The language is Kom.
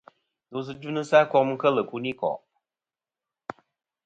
Ndosɨ dvɨnɨsɨ a kom nɨn kel ikunikò'.